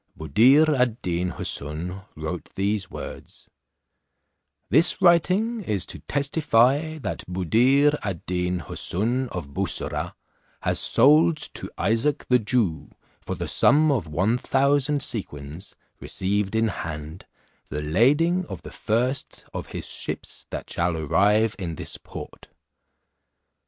Buddir ad Deen Houssun wrote these words: "This writing is to testify, that Buddir ad Deen Houssun of Bussorah, has sold to Isaac the Jew, for the sum of one thousand sequins, received in hand, the lading of the first of his ships that shall arrive in this port."